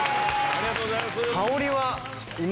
ありがとうございます。